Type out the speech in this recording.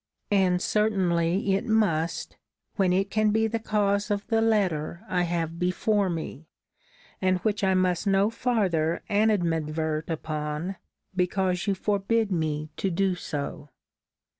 And certainly it must, when it can be the cause of the letter I have before me, and which I must no farther animadvert upon, because you forbid me to do so.